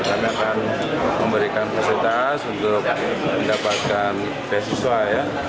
karena akan memberikan fasilitas untuk mendapatkan beasiswa ya